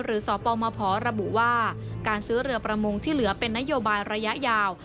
สปมพระบุว่าการซื้อเรือประมงที่เหลือเป็นนโยบายระยะยาว